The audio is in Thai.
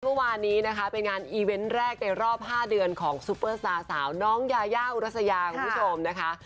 เมื่อวานนี้นะคะเป็นงานอีเวนต์แรกในรอบ๕เดือนของซุปเปอร์สตาร์สาวน้องยายาอุรัสยาคุณผู้ชมนะคะ